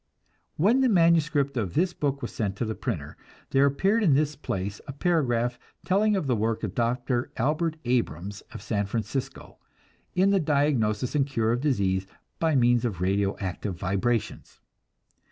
When the manuscript of this book was sent to the printer, there appeared in this place a paragraph telling of the work of Dr. Albert Abrams of San Francisco, in the diagnosis and cure of disease by means of radio active vibrations.